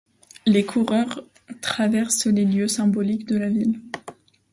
Les coureurs traversent les lieux symboliques de la ville.